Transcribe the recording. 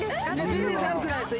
全然寒くないです。